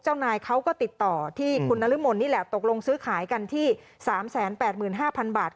เจ้านายเขาก็ติดต่อที่คุณนรมนนี่แหละตกลงซื้อขายกันที่๓๘๕๐๐๐บาท